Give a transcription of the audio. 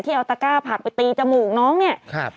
ที่เอาตะกาผักไปตีจมูกน้องเนี่ย